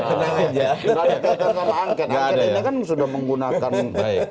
karena kita terlalu angket angket ini kan sudah menggunakan